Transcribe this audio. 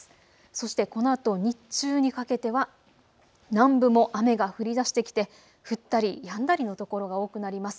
そしてこのあと日中にかけては南部も雨が降りだしてきて降ったりやんだりの所が多くなります。